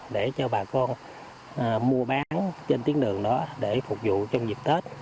để cho bà con mua bán trên tiếng đường đó để phục vụ trong dịp tết